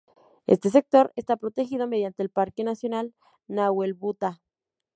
Este sector está protegido mediante el Parque Nacional Nahuelbuta.